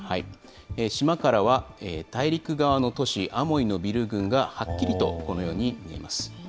島からは大陸側の都市、アモイのビル群がはっきりとこのように見えます。